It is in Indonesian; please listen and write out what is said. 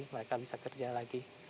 mereka bisa kerja lagi